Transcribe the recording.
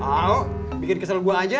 mau bikin kesel gua aja